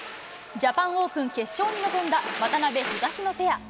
ジャパンオープン決勝に臨んだ渡辺・東野ペア。